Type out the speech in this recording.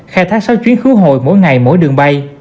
khai thác sáu chuyến khứa hồi mỗi ngày mỗi đường bay